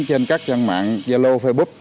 trên các trang mạng gia lô facebook